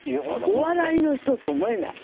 お笑いの人と思えない。